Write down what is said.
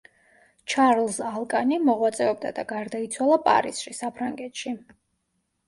ჩარლზ ალკანი მოღვაწეობდა და გარდაიცვალა პარიზში, საფრანგეთში.